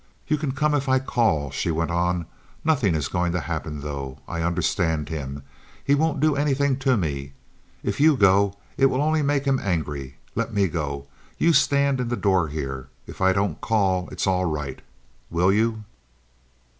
"You can come if I call." She went on. "Nothing's going to happen, though. I understand him. He won't do anything to me. If you go it will only make him angry. Let me go. You stand in the door here. If I don't call, it's all right. Will you?"